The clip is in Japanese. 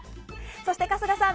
そして春日さん